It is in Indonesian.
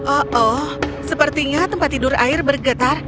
oh oh sepertinya tempat tidur air bergetar